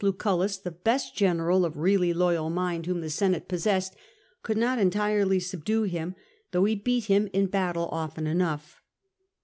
Lucullus, the best general of really loyal mind whom the Senate possessed, could not entirely subdue him, though he beat him in battle often enough.